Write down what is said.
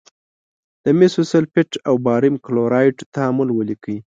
د مسو سلفیټ او باریم کلورایډ تعامل ولیکئ.